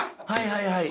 はいはい。